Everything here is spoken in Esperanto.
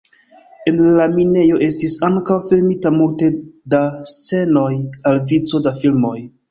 En la minejo estis ankaŭ filmita multe da scenoj al vico da filmoj.